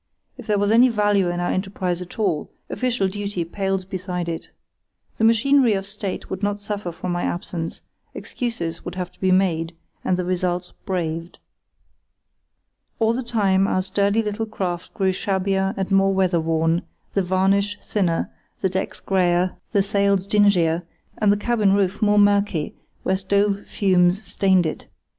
If there was any value in our enterprise at all, official duty pales beside it. The machinery of State would not suffer from my absence; excuses would have to be made, and the results braved. All the time our sturdy little craft grew shabbier and more weather worn, the varnish thinner, the decks greyer, the sails dingier, and the cabin roof more murky where stove fumes stained it.